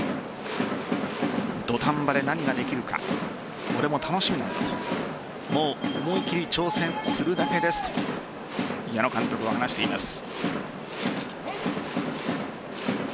土壇場で何ができるかこれも楽しみなんだと思い切り挑戦するだけですと矢野監督は話しています。